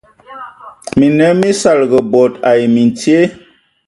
Minnǝm mí saligi bod ai mintye,